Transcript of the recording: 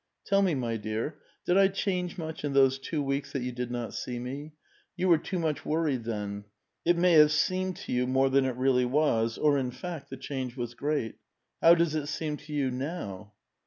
Tell me, my dear, did I change much in those two weeks that you did not see me? You were too much worried then. It may have seemed to you more than it really was, or, in fact, the change was great. How does it seem to you now?